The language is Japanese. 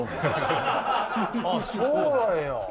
あっそうなんや。